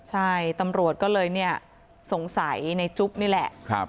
ใช่ตำรวจก็เลยเนี่ยสงสัยในจุ๊บนี่แหละ